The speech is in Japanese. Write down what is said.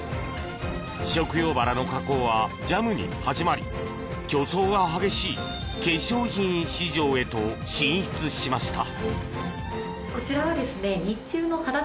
食用バラの加工はジャムに始まり競争が激しい化粧品市場へと進出しました。